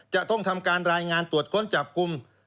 จะต้องทำการรายงานตรวจค้นจับกลุ่ม